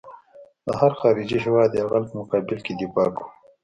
د هر خارجي هېواد د یرغل په مقابل کې دفاع کوو.